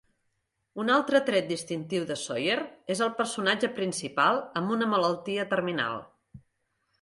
Un altre tret distintiu de Sawyer és el personatge principal amb una malaltia terminal.